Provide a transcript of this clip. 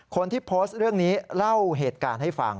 คนที่โพสต์เรื่องนี้เล่าเหตุการณ์ให้ฟัง